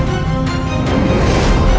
kau tidak bisa menang